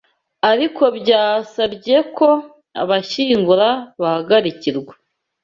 ariko byasabye ko abashyingura bahagarikirwa